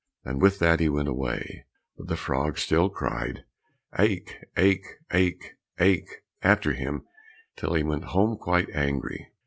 And with that he went away, but the frogs still cried, "aik, aik, aik, aik," after him till he went home quite angry.